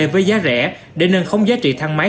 với giá rẻ để nâng khống giá trị thang máy